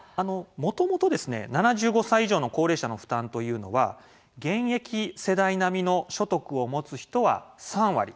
もともと、７５歳以上の高齢者の負担というのは現役世代並みの所得を持つ人は３割。